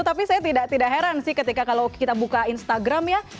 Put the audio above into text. tapi saya tidak heran sih ketika kalau kita buka instagram ya